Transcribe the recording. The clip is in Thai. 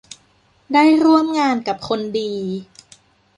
ได้ร่วมงานกับคนดี